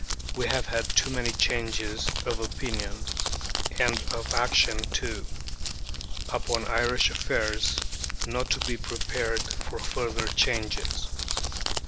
We have had too many changes of opinion ay, and of action too upon Irish affairs not to be prepared for further changes.